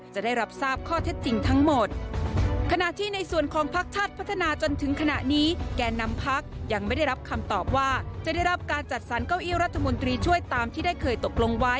จังหวัดนครราชสีมา